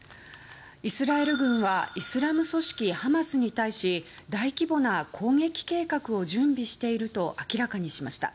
イスラエル軍はイスラム組織ハマスに対し大規模な攻撃計画を準備していると明らかにしました。